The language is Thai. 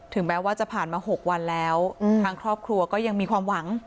แม้ว่าจะผ่านมา๖วันแล้วทางครอบครัวก็ยังมีความหวัง